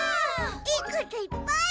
いいこといっぱい！